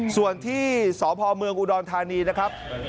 ส่วนที่สอบภอมเมืองอุดอนธานีนะครับ